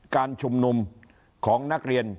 การชุมนุมของนักเรียน